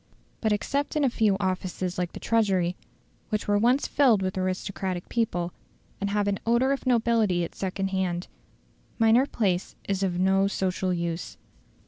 But except in a few offices like the Treasury, which were once filled with aristocratic people, and have an odour of nobility at second hand, minor place is of no social use.